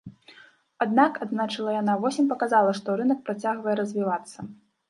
Аднак, адзначыла яна, восень паказала, што рынак працягвае развівацца.